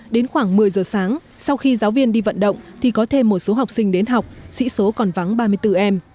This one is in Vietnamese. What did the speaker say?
đến khoảng một mươi giờ sáng sau khi giáo viên đi vận động thì có thêm một số học sinh đến học sĩ số còn vắng ba mươi bốn em